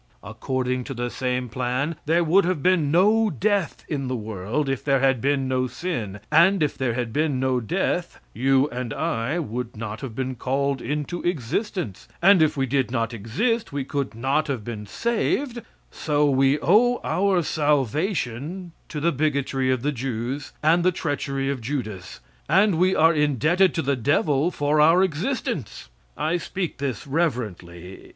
According to the same plan, there would have been no death in the world if there had been no sin, and if there had been no death you and I would not have been called into existence, and if we did not exist we could not have been saved, so we owe our salvation to the bigotry of the Jews and the treachery of Judas, and we are indebted to the devil for our existence. I speak this reverently.